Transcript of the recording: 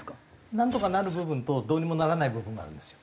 なんとかなる部分とどうにもならない部分があるんですよ。